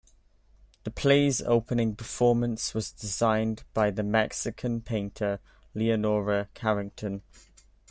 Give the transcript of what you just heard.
The play's opening performance was designed by the Mexican painter Leonora Carrington.